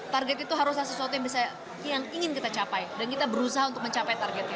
target itu haruslah sesuatu yang bisa yang ingin kita capai dan kita berusaha untuk mencapai targetnya